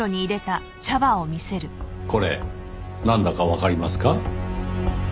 これなんだかわかりますか？